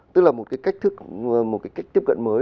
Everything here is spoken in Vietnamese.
tức là một cái cách tiếp cận mới